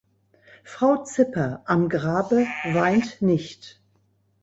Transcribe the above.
Frau Zipper, am Grabe, weint nicht.